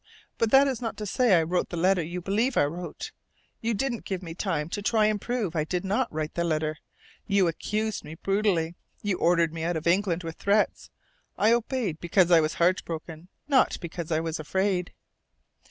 But that is not to say I wrote the letter you believe I wrote. You didn't give me time to try and prove I did not write the letter. You accused me brutally. You ordered me out of England, with threats. I obeyed because I was heartbroken, not because I was afraid."